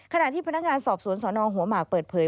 ขณะที่พนักงานสอบสวนสนหัวหมากเปิดเผย